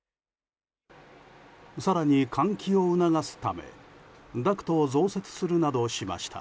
更に換気を促すためダクトを増設するなどしました。